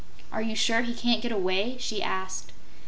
"Are you sure he can't get away?" she asked.